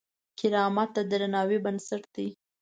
کرامت د درناوي بنسټ دی.